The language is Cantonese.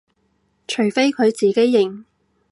除非佢自己認